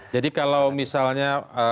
jadi kalau misalnya